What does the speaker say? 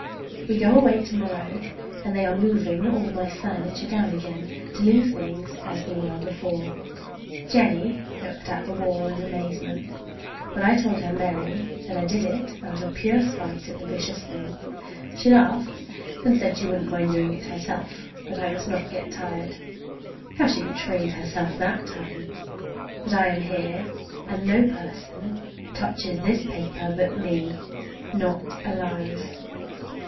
We go away to morrow, and they are moving all my furniture down again to leave things as they were before. Jennie looked at the wall in amazement, but I told her merrily that I did it out of pure spite at the vicious thing. She laughed and said she wouldn't mind doing it herself, but I must not get tired. How she betrayed herself that time! But I am here, and no person touches this paper but me—not alive!